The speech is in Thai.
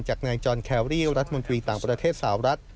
จากนายจอนแครรี่รัฐมนตรีต่างประเทศสาวรัฐ